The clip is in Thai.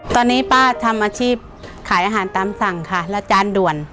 ตอนนี้ป้าทำอาชีพขายอาหารตามสั่งค่ะแล้วจานด่วน